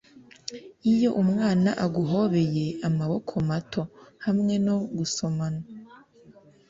iyo umwana aguhobeye amaboko mato, hamwe no gusomana